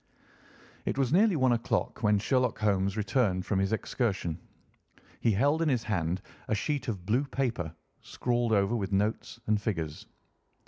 It was nearly one o'clock when Sherlock Holmes returned from his excursion. He held in his hand a sheet of blue paper, scrawled over with notes and figures.